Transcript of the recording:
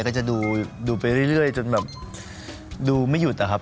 ก็จะดูไปเรื่อยจนแบบดูไม่หยุดอะครับ